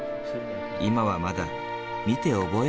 今はまだ見て覚える段階。